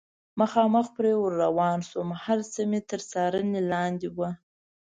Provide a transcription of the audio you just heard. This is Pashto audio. مخامخ پرې ور روان شوم، هر څه مې تر څارنې لاندې و.